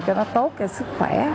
cho nó tốt cho sức khỏe